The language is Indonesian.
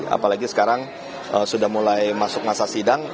apalagi sekarang sudah mulai masuk masa sidang